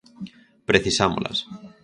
Precisámolas.